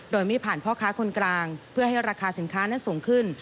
โดยไม่ผ่านพ่อค้าคนกลางเพื่อให้ราคาสินค้านั้นสูงขึ้น